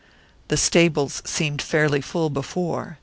"The stables seemed to me fairly full before.